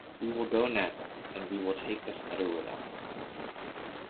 We will go now, and we will take this letter with us.